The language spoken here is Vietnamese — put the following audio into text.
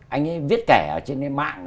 anh ấy viết kể ở trên cái mạng